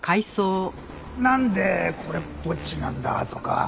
「なんでこれっぽっちなんだ」とか。